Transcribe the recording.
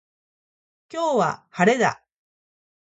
今日は、晴れだ。